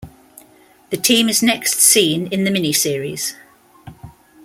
The team is next seen in the mini-series.